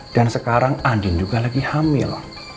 dan sekarang andin juga lagi hamil